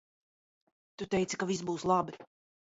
Tu teici ka viss būs labi.